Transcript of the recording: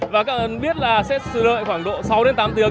và các bạn biết là sẽ sửa lại khoảng độ sáu đến tám tiếng